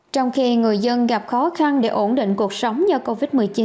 trong khi người dân gặp khó khăn để ổn định cuộc sống do covid một mươi chín